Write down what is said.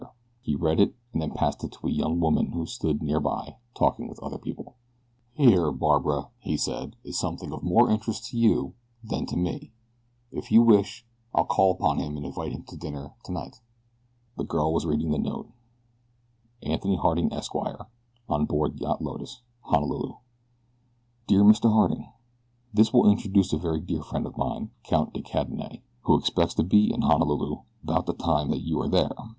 He read it, and then passed it to a young woman who stood near by talking with other young people. "Here, Barbara," he said, "is something of more interest to you than to me. If you wish I'll call upon him and invite him to dinner tonight." The girl was reading the note. Anthony Harding, Esq. On Board Yacht Lotus, Honolulu My dear Mr. Harding: This will introduce a very dear friend of mine, Count de Cadenet, who expects to be in Honolulu about the time that you are there.